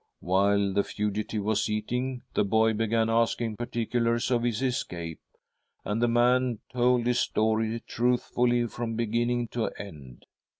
While the fugitive was eating, the boy began asking particulars of his escape, and the man told his story truthfully from beginning to end.